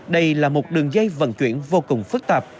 đây là một đường dây vận chuyển vô cùng phức tạp